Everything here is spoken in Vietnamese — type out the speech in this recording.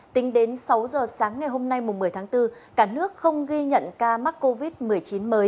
tính đến sáu giờ sáng ngày hôm nay một mươi tháng bốn cả nước không ghi nhận ca mắc covid một mươi chín mới